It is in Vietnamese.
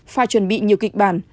phải chuẩn bị nhiều kịch bản